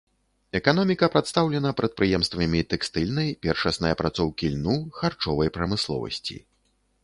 Эканоміка прадстаўлена прадпрыемствамі тэкстыльнай, першаснай апрацоўкі льну, харчовай прамысловасці.